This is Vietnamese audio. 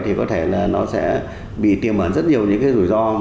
thì có thể nó sẽ bị tiềm ẩn rất nhiều những rủi ro